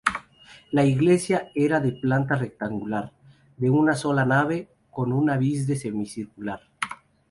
La iglesia era de planta rectangular, de una sola nave con un ábside semicircular.